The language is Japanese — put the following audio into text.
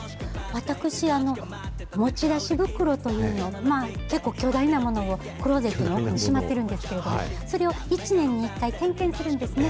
私、持ち出し袋というの、結構巨大なものを、クローゼットの奥にしまってるんですけども、それを１年に１回、点検するんですね。